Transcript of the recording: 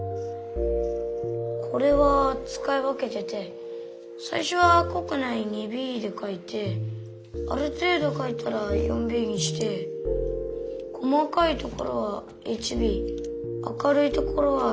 これはつかい分けててさいしょはこくない２Ｂでかいてあるていどかいたら４Ｂにして細かいところはＨＢ明るいところは２Ｈとか。